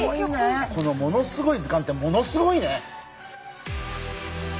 この「ものすごい図鑑」ってものすごいね！